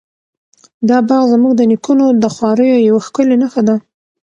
دا باغ زموږ د نیکونو د خواریو یوه ښکلې نښه ده.